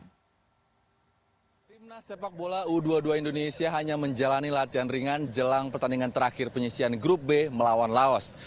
timnas sepak bola u dua puluh dua indonesia hanya menjalani latihan ringan jelang pertandingan terakhir penyisian grup b melawan laos